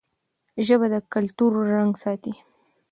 ژبه د کلتور رنګ ساتي.